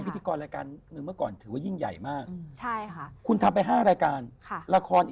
เป็นพิธีกร๑